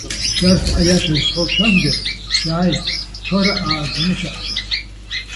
Шәарҭ аиаша зҳәо шәакәзар, шәааи, Ҭора ааганы шәаԥхьа.